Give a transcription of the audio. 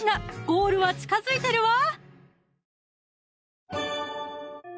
ゴールは近づいてるわ！